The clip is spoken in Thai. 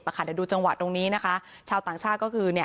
เดี๋ยวดูจังหวะตรงนี้นะคะชาวต่างชาติก็คือ